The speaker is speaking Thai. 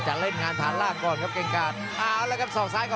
ชะแคะนสำเร็จเลยครับ